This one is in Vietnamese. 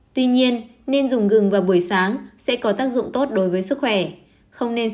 tuy nhiên nên dùng gừng vào buổi sáng sẽ có tác dụng tốt đối với sức khỏe